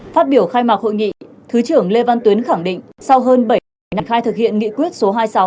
phát biểu khai mạc hội nghị thứ trưởng lê văn tuyến khẳng định sau hơn bảy ngày năm khai thực hiện nghị quyết số hai mươi sáu